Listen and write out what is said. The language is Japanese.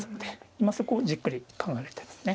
今そこをじっくり考えられてるんですね。